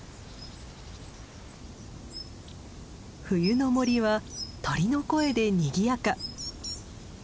冬の森は鳥の声でにぎやか。